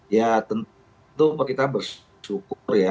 ya tentu kita bersyukur ya